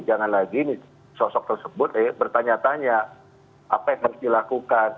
jangan lagi sosok tersebut bertanya tanya apa yang harus dilakukan